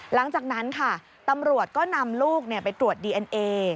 หลังจากนั้นค่ะตำรวจก็นำลูกไปตรวจดีเอ็นเอ